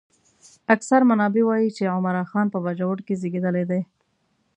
اکثر منابع وايي چې عمرا خان په باجوړ کې زېږېدلی دی.